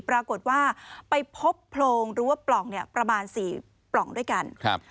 ปรากฏว่าไปพบโพรงหรือว่าปล่องเนี่ยประมาณสี่ปล่องด้วยกันครับ